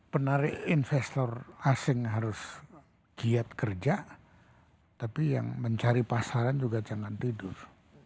penarik investor asing harus giat kerja tapi yang mencari pasaran juga jangan tidur